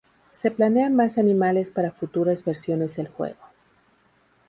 Se planean más animales para futuras versiones del juego.